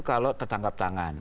kalau tertangkap tangan